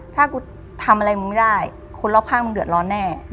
ถ้ากูทำอะไรมึงไม่ได้คนรอบข้างมึงเดือดร้อนแน่